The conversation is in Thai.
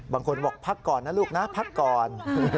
บางคนบอกพักก่อนนะลูกนะพักก่อน